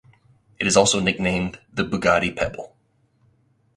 It is also nicknamed the Bugatti Pebble.